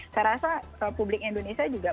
saya rasa publik indonesia juga